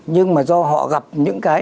nhưng mà do họ gặp những cái